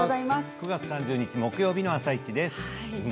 ９月３０日木曜日の「あさイチ」です。